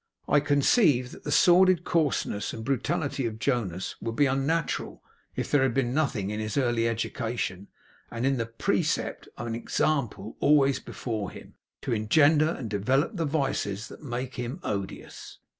I conceive that the sordid coarseness and brutality of Jonas would be unnatural, if there had been nothing in his early education, and in the precept and example always before him, to engender and develop the vices that make him odious.